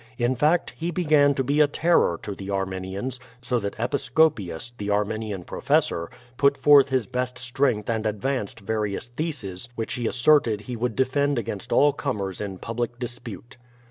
In fact, he began to be a terror to the Arminians, so that Episcopius, the Arminian professor, put forth his best strength and advanced various Theses which he asserted he would defend against all comers in public dispute.